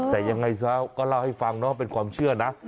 แต่ยังไงซะก็เล่าให้ฟังเนาะเป็นความเชื่อนะ